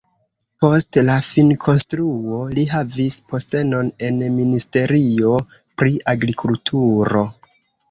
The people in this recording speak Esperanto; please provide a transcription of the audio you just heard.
Post la finkonstruo li havis postenon en ministerio pri agrikulturo.